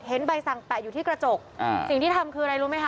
ใบสั่งแปะอยู่ที่กระจกสิ่งที่ทำคืออะไรรู้ไหมคะ